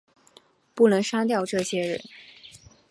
不能杀掉这些人